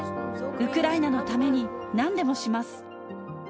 ウクライナのためになんでもします。